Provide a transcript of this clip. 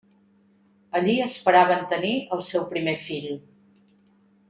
Allí esperaven tenir al seu primer fill.